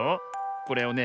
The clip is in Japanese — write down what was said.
これをね